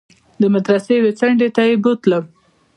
د مدرسې يوې څنډې ته يې بوتلم.